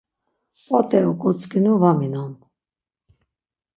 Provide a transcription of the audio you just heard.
P̆ot̆e oǩotzǩinu va minon.